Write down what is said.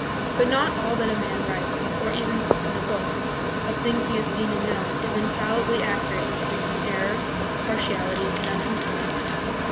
But not all that a man writes, or even puts hi a book, of things he has seen and known, is infallibly accurate and free from error, partiality, and untruthfulness.